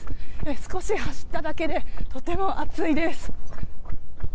少し走っただけでとても暑いです。